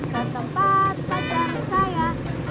ke tempat pacar saya